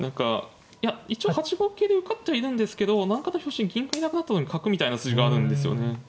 いや一応８五桂で受かってはいるんですけど何かの拍子に銀がいなくなった時に角みたいな筋があるんですよね。